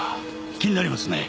気になりますね。